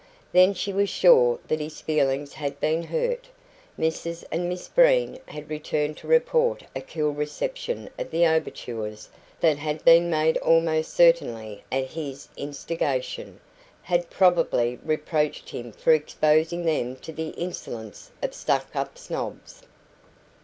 Then she was sure that his feelings had been hurt. Mrs and Miss Breen had returned to report a cool reception of the overtures that had been made almost certainly at his instigation had probably reproached him for exposing them to the insolence of stuck up snobs.